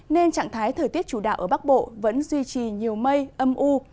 nên trạng thái thời tiết chủ đạo ở bắc bộ vẫn duy trì nhiều mây âm u